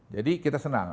jadi kita senang